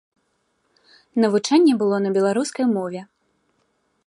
Навучанне было на беларускай мове.